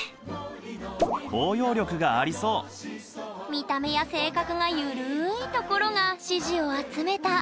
見た目や性格がゆるいところが支持を集めた！